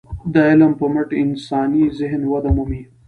د علم په مټ انساني ذهن وده مومي.